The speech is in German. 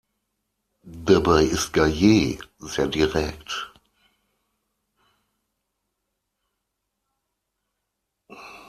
Dabei ist Gaye sehr direkt.